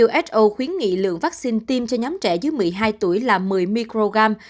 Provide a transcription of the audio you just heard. uso khuyến nghị lượng vaccine tiêm cho nhóm trẻ dưới một mươi hai tuổi là một mươi microgram